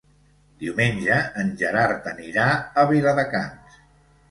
Diumenge en Gerard anirà a Viladecans.